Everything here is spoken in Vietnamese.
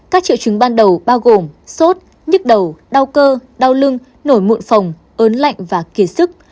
các triệu chứng ban đầu bao gồm sốt nhức đầu đau cơ đau lưng nổi mụn phòng ớn lạnh và kỳ sức